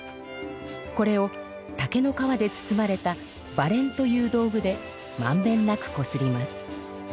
これを竹の皮で包まれたばれんという道具でまんべんなくこすります。